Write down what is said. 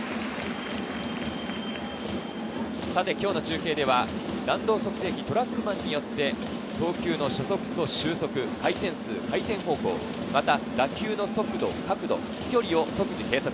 今日の中継では弾道測定器トラックマンによって投球の初速と終速、回転数、回転方向、打球の速度、角度、飛距離を即時に計測。